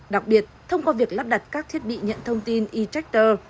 đặc biệt thông qua việc lắp đặt các thiết bị nhận thông tin e tractor